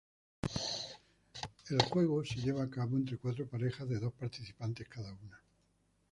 El juego, se lleva a cabo entre cuatro parejas de dos participantes cada una.